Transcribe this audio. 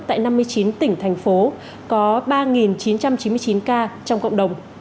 tại năm mươi chín tỉnh thành phố có ba chín trăm chín mươi chín ca trong cộng đồng